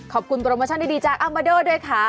ขอบคุณโปรโมชั่นดีจากอัลมาเดอร์ด้วยค่ะ